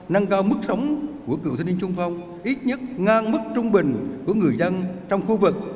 năng cao mức sống của cựu thanh niên sung phong ít nhất ngang mức trung bình của người dân trong khu vực